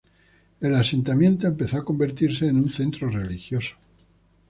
El asentamiento empezó a convertirse en un centro religioso.